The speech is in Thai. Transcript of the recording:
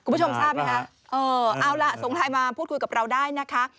คุณผู้ชมทราบไหมคะเออเอาล่ะส่งไลน์มาพูดคุยกับเราได้นะคะ